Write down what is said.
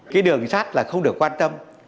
cái đường sắt là không được quan tâm